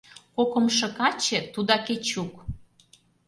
Кокымшо каче, тудак Эчук.